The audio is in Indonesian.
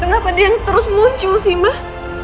kenapa dia yang terus muncul sih mbah